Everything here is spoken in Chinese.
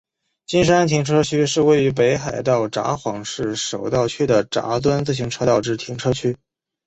金山停车区是位于北海道札幌市手稻区的札樽自动车道之停车区。